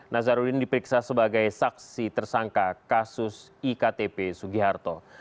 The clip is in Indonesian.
nazarudin diperiksa sebagai saksi tersangka kasus iktp sugiharto